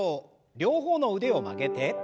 両方の腕を曲げて。